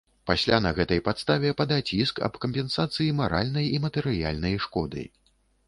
Пасля на гэтай падставе падаць іск аб кампенсацыі маральнай і матэрыяльнай шкоды.